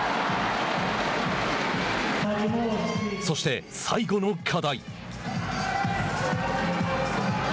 そして、最後の課題。